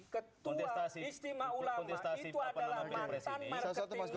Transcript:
ketua istimewa ulama itu adalah mantan marketing